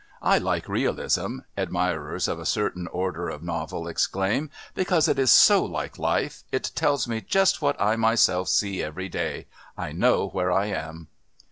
"I like realism," admirers of a certain order of novel exclaim, "because it is so like life. It tells me just what I myself see every day I know where I am."